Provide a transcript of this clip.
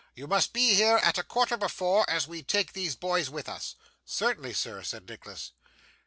You must be here at a quarter before, as we take these boys with us.' 'Certainly, sir,' said Nicholas.